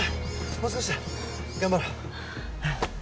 もう少しだ頑張ろう